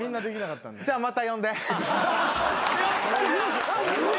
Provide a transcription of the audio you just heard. じゃあまた呼んで。